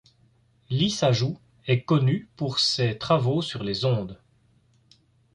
Lissajous est connu pour ses travaux sur les ondes.